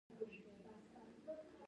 کارکوونکي یې له یو ځای نه بل ته لېږي.